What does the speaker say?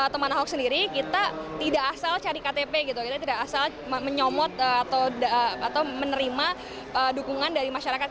teman ahok sendiri kita tidak asal cari ktp gitu kita tidak asal menyomot atau menerima dukungan dari masyarakat